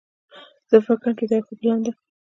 زه فکر کوم چې دا یو ښه پلان ده